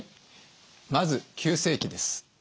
まず急性期です。